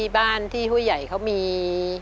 บ้านที่ผู้ใหญ่เขามี